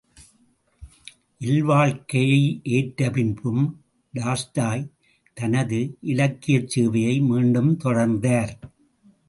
இல்வாழ்க்கையை ஏற்ற பின்பும் டால்ஸ்டாய் தனது இலக்கியச் சேவையை மீண்டும் தொடர்ந்தார்.